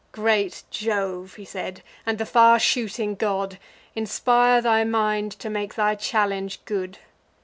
"Great Jove," he said, "and the far shooting god, Inspire thy mind to make thy challenge good!"